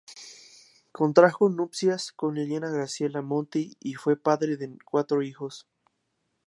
Contrajo nupcias con Liliana Graciela Monti y fue padre de cuatro hijos.